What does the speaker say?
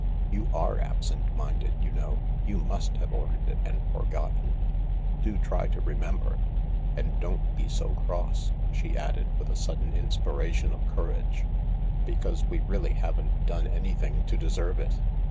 You ate absent minded, you know. You must have ordered it, and forgotten, Do try to remember. And don't be so cross," she added, with a sudden inspiration of courage, " because we really haven't done anything to deserve it."